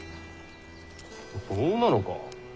そうなのか。